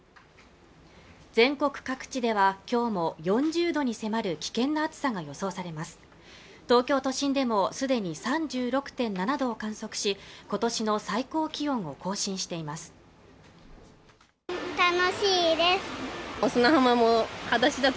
全国各地では今日も４０度に迫る危険な暑さが予想されます東京都心でもすでに３６．７度を観測し今年の最高気温を更新しています